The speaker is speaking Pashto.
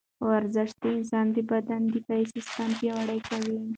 ورزش د انسان د بدن دفاعي سیستم پیاوړی کوي.